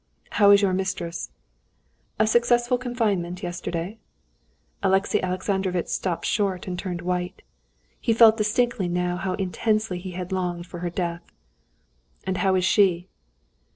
"How is your mistress?" "A successful confinement yesterday." Alexey Alexandrovitch stopped short and turned white. He felt distinctly now how intensely he had longed for her death. "And how is she?"